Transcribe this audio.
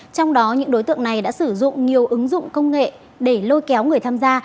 trong đó những đối tượng này đã sử dụng nhiều ứng dụng công nghệ để lôi kéo người tham gia